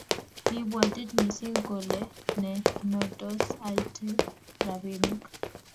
Kiipwatita mising kole ne netos aite rapinik